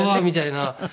みたいな。